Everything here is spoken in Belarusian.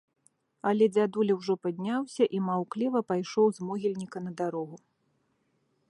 Але дзядуля ўжо падняўся і маўкліва пайшоў з могільніка на дарогу.